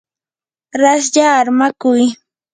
raslla armakuy.